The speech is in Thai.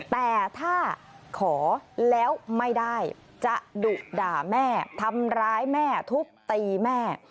แต่ถ้าขอแล้วไม่ได้จะดุด่าแม่ทำร้ายแม่ทุบตีแม่